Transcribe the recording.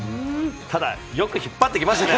ただ、よく引っ張ってきましたね！